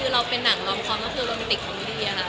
เราเป็นหนังรอบคล้องก็คือโรแมนติกฮอมมิดีย์